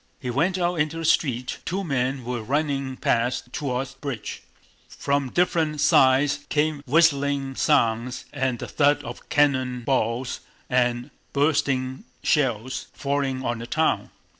He went out into the street: two men were running past toward the bridge. From different sides came whistling sounds and the thud of cannon balls and bursting shells falling on the town.